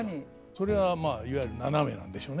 それはまあいわゆる斜めなんでしょうねきっとね。